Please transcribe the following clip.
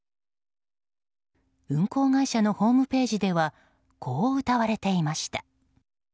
運航会社のホームページではこう、うたわれていました。